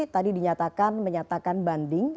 tadi dinyatakan menyatakan banding